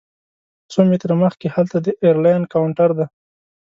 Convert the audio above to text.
څو متره مخکې هلته د ایرلاین کاونټر دی.